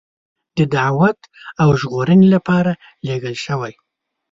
د دعوت او ژغورنې لپاره لېږل شوی.